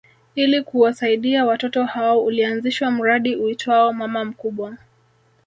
Ili kuwasaidia watoto hao ulianzishwa mradi uitwao Mama Mkubwa